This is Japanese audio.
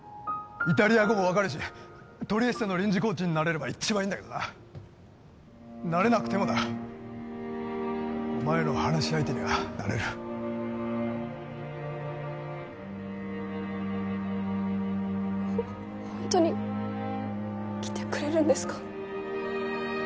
イタリア語も分かるしトリエステの臨時コーチになれれば一番いいんだけどななれなくてもだお前の話し相手にはなれるホントに来てくれるんですか？